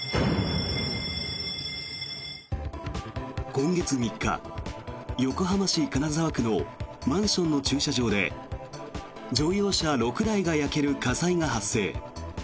今月３日、横浜市金沢区のマンションの駐車場で乗用車６台が焼ける火災が発生。